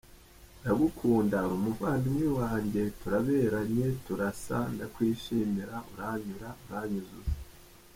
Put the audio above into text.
Ndagukunda, uri umuvandimwe wanjye, turaberanye, turasa, ndakwishimira, uranyura, uranyuzuza,….